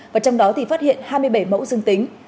và trong đó thì phát hiện hai mươi bảy mẫu dương tính